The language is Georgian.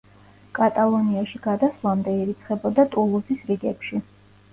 კატალონიაში გადასვლამდე ირიცხებოდა „ტულუზის“ რიგებში.